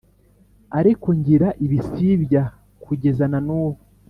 ariko ngira ibisibya kugeza na n’ubu.